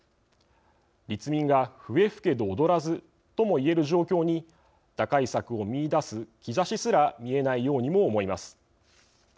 立民が笛吹けど踊らずとも言える状況に打開策を見いだす兆しすら見えないようにも思います。